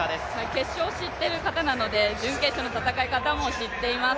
決勝を知っている方なので、準決勝の戦い方も知っています。